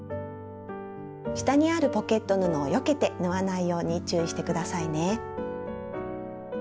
下にあるポケット布をよけて縫わないように注意して下さいね。